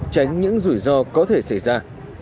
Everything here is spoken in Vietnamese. tránh những rủi ro có thể xảy ra